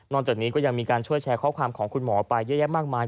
จากนี้ก็ยังมีการช่วยแชร์ข้อความของคุณหมอไปเยอะแยะมากมาย